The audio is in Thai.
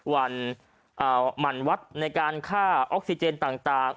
วันหมั่นวัดในการฆ่าออกซิเจนต่าง